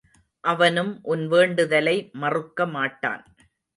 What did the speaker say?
அவனும் உன் வேண்டுதலை மறுக்கமாட்டான்.